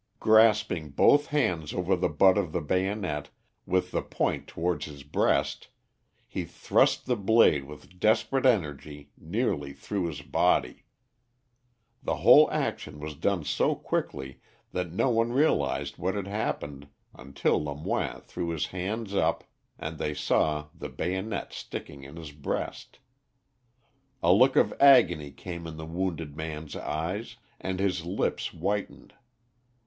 Grasping both hands over the butt of the bayonet, with the point towards his breast, he thrust the blade with desperate energy nearly through his body. The whole action was done so quickly that no one realised what had happened until Lemoine threw his hands up and they saw the bayonet sticking in his breast. A look of agony came in the wounded man's eyes, and his lips whitened.